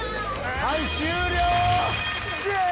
はい終了！